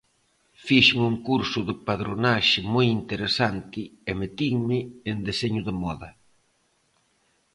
Fixen un curso de padronaxe moi interesante e metinme en deseño de moda.